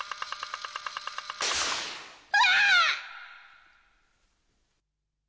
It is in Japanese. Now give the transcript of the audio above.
うわ！